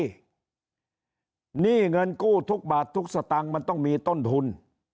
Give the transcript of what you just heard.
หนี้เงินกู้ทุกบาททุกสตางค์มันต้องมีต้นทุน